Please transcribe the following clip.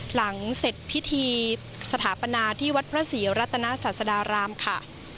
หลังเสร็จพิธีสถาปนาที่วัดพระศรีรัตนาศาสดารามค่ะ